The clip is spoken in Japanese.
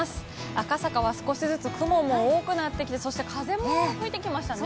赤坂は少しずつ雲も多くなってきてそして、風も吹いてきましたね。